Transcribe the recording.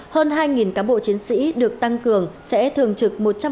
hơn hai cán bộ chiến sĩ được tăng cường sẽ thường trực một trăm linh